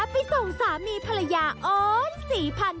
ไปส่งสามีภรรยาอ้อนศรีพันธ์